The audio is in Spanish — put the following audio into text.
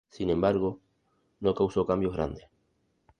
Sin embargo, no causó cambios grandes.